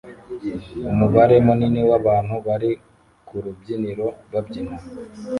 Umubare munini wabantu bari ku rubyiniro babyina